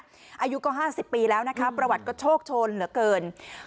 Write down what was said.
อายุก็๕๐ปีแล้วนะคะประวัติก็โชคโชนเหลือเกิน